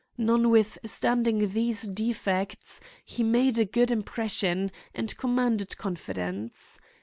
Notwithstanding these defects he made a good impression, and commanded confidence.